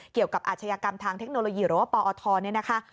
เกี่ยวกับอาชญากรรมทางเทคโนโลยีหรือว่าปอทนี่นะคะ